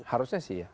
harusnya sih ya